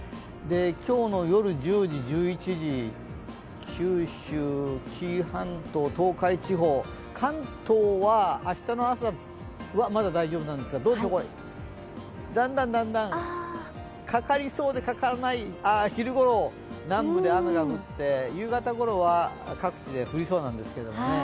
今日の夜１０時、１１時、九州、紀伊半島、東海地方、関東は明日の朝はまだ大丈夫なんですが、だんだんかかりそうでかからない昼ごろ南部で雨が降って、夕方ごろは各地で降りそうなんですけどね。